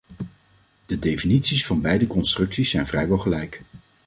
De definities van beide constructies zijn vrijwel gelijk.